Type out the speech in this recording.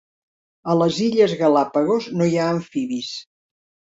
A les illes Galápagos no hi ha amfibis.